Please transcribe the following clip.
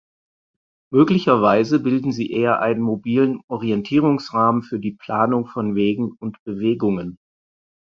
Möglicherweise bilden sie eher einen mobilen Orientierungsrahmen für die Planung von Wegen und Bewegungen.